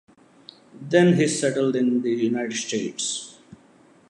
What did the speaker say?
Then he settled in the United States.